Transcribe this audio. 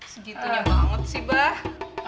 segitunya banget sih bah